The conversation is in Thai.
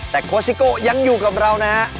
แต่โค้ซิโก้ยังอยู่กับเรานะฮะ